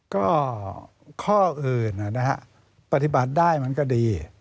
ก็ข้ออื่นนะฮะปฏิบัติได้มันก็ดี